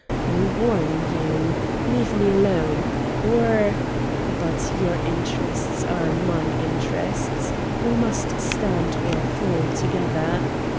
I warn you. Leave me alone. Or but your interests are my interests; we must stand or fall together.